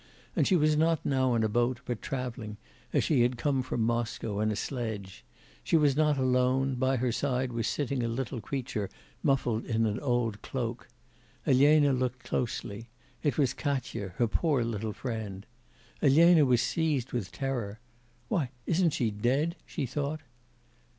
And she was not now in a boat, but travelling, as she had come from Moscow, in a sledge; she was not alone; by her side was sitting a little creature muffled in an old cloak; Elena looked closely; it was Katya, her poor little friend. Elena was seized with terror. 'Why, isn't she dead?' she thought.